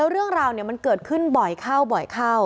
เรื่องเรามันเกิดขึ้นบ่อยเข้า